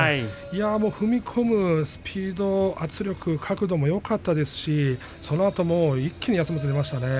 踏み込むスピード、圧力、角度もよかったですしそのあと一気に休まず出ましたね。